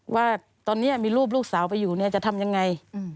ว่าตอนนี้มีรูปลูกสาวไปอยู่เนี่ยจะทำยังไง